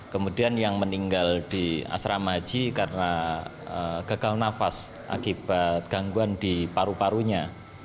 kemudian yang meninggal di asrama haji karena gagal nafas akibat gangguan di paru parunya